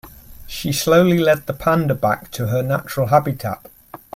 She slowly led the panda back to her natural habitat.